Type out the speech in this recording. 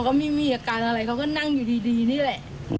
ก็น่งอยู่ดีนี่แหละ